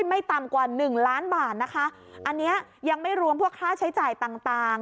ไม่ต่ำกว่าหนึ่งล้านบาทนะคะอันเนี้ยยังไม่รวมพวกค่าใช้จ่ายต่างต่าง